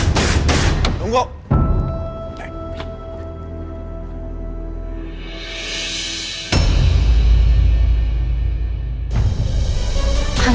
gak ada sejarah yang gue lupain